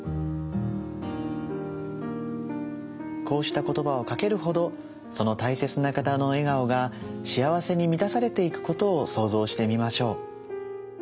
こうした言葉をかけるほどその大切な方の笑顔が幸せに満たされていくことを想像してみましょう。